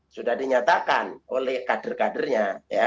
sudah dinyatakan oleh kader kadernya